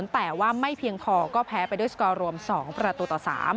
แต่ว่าไม่เพียงพอก็แพ้ไปด้วยสกอร์รวม๒ประตูต่อ๓